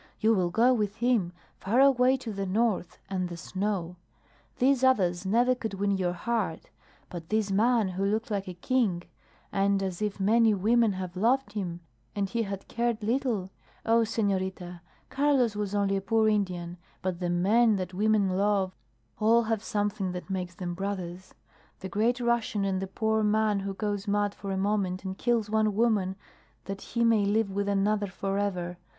You will go with him, far away to the north and the snow. These others never could win your heart; but this man who looks like a king, and as if many women had loved him, and he had cared little Oh, senorita, Carlos was only a poor Indian, but the men that women love all have something that makes them brothers the Great Russian and the poor man who goes mad for a moment and kills one woman that he may live with another forever.